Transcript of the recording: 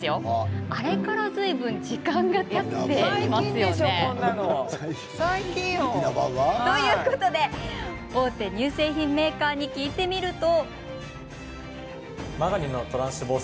あれから、ずいぶん時間がたっていますよね。ということで、大手乳製品メーカーに聞いてみると。